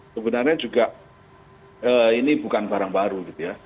sebenarnya juga ini bukan barang baru gitu ya